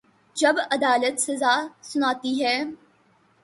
جب عدالت سزا سناتی ہے۔